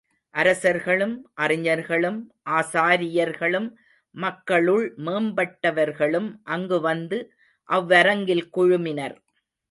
அரசர்களும், அறிஞர்களும், ஆசாரியர்களும், மக்களுள் மேம்பட்டவர்களும் அங்கு வந்து அவ்வரங்கில் குழுமினர்.